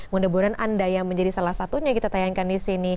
mudah mudahan anda yang menjadi salah satunya kita tayangkan di sini